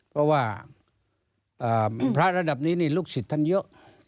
เพราะว่าพระระดับนี้นี่ลูกศิษย์ท่านเยอะ